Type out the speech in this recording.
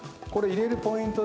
入れるポイント